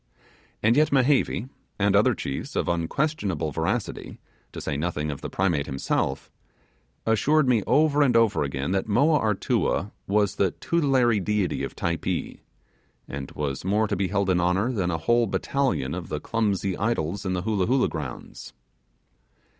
And yet Mehevi, and other chiefs of unquestionable veracity to say nothing of the Primate himself assured me over and over again that Moa Artua was the tutelary deity of Typee, and was more to be held in honour than a whole battalion of the clumsy idols in the Hoolah Hoolah grounds.